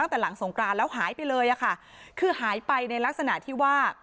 ตั้งแต่หลังสงกรานแล้วหายไปเลยอะค่ะคือหายไปในลักษณะที่ว่า